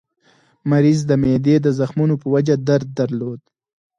مریض د معدې د زخمونو په وجه درد درلود.